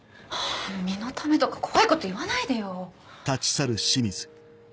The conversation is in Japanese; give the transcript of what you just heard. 身のためとか怖いこと言わないでよ。